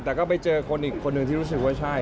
แต่ก็ไปเจอคนอีกคนหนึ่งที่รู้สึกว่าใช่